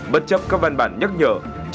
bất chấp các văn bản nhắc nhở